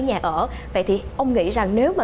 nhà ở vậy thì ông nghĩ rằng nếu mà